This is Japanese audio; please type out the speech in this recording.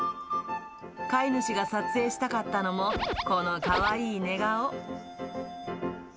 飼い主が撮影したかったのも、このかわいい寝顔。